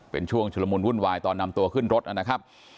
เป็นช่วงชุลมุนวุ่นวายตอนนำตัวขึ้นรถนะครับ